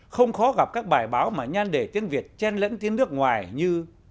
không khó gặp các bài báo mà nhan đề tiếng việt chen lẫn tiếng nước ngoài như